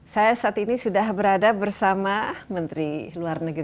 saya saat ini sudah berada bersama menteri luar negeri